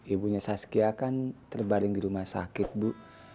ibunya saskia kan terbaling di rumah sakit ibu